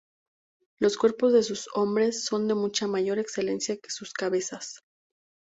Los cuerpos de sus hombres son de mucha mayor excelencia que sus cabezas.